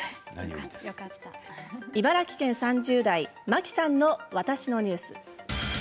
茨城県３０代、まきさんの「わたしのニュース」。